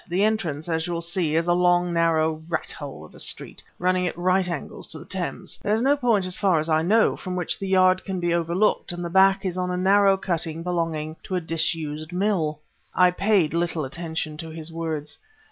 The entrance, as you'll see, is a long, narrow rat hole of a street running at right angles to the Thames. There's no point, so far as I know, from which the yard can be overlooked; and the back is on a narrow cutting belonging to a disused mill." I paid little attention to his words.